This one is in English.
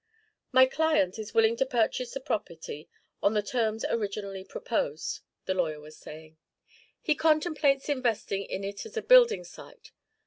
'My client is willing to purchase the property on the terms originally proposed,' the lawyer was saying. 'He contemplates investing in it as a building site.